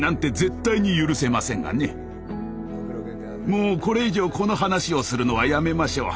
もうこれ以上この話をするのはやめましょう。